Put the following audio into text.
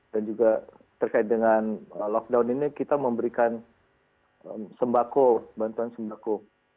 juga terkait dengan lockdown ini kita memberikan sembako bantuan sembako